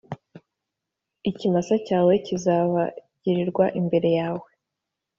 ikimasa cyawe kizabagirwa imbere yawe,